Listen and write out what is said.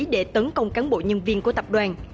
để tấn công cán bộ nhân viên của tập đoàn